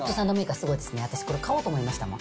すごいですね、私これ、買おうと思いましたもん。